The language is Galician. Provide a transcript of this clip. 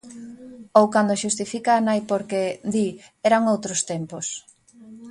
Ou cando xustifica a nai porque, di, eran outros tempos.